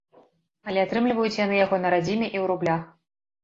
Але атрымліваюць яны яго на радзіме і ў рублях.